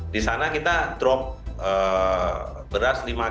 di sana kita drop beras lima kg